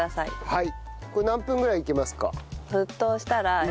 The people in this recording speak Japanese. はい！